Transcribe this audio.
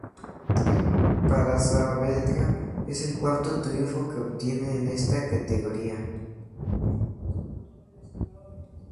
Para Saavedra es el cuarto triunfo que obtiene en esta categoría.